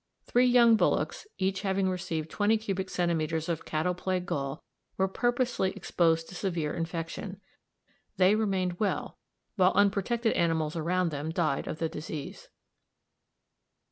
Three young bullocks, each having received 20 cubic centimetres of cattle plague gall, were purposely exposed to severe infection. They remained well, while unprotected animals around them died of the disease."